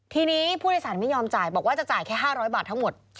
ทีนี้ผู้โดยสารไม่ยอมจ่ายบอกว่าจะจ่ายแค่๕๐๐บาททั้งหมด